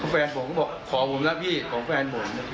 แฟนผมก็บอกขอผมนะพี่ของแฟนผม